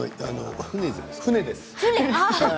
船です。